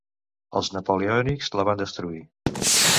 Els napoleònics la van destruir.